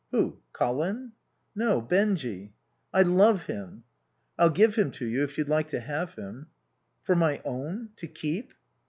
"Who? Colin?" "No. Benjy." "I love him." "I'll give him to you if you'd like to have him." "For my own? To keep?"